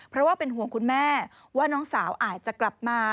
เพราะว่าเป็นห่วงคุณแม่ว่าน้องสาวอาจจะกลับมา